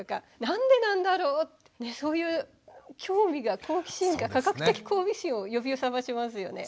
「なんでなんだろう」ってそういう興味が好奇心が科学的好奇心を呼び覚ましますよね。